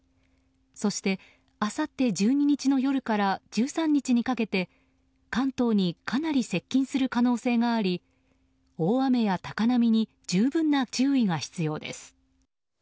そして、あさって１２日の夜から１３日にかけて関東にかなり接近する可能性があり大雨や高波に十分な注意が必要です。